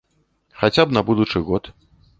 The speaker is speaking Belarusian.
Хаця б на будучы год.